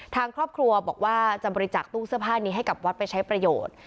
ทางครอบครัวบอกว่าจะบริจาคตู้เสื้อผ้านี้ให้กับวัดไปใช้ประโยชน์